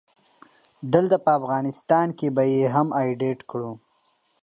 دلته په افغانستان کې به يې هم اډيټ کړو